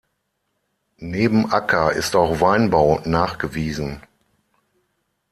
Neben Acker- ist auch Weinbau nachgewiesen.